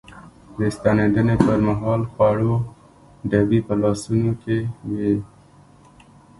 د ستنېدنې پر مهال خوړو ډبي په لاسونو کې وې.